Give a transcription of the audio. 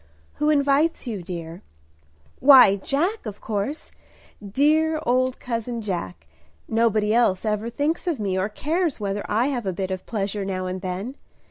"Who invites you, dear?" "Why, Jack, of course, dear old cousin Jack. Nobody else ever thinks of me, or cares whether I have a bit of pleasure now and then.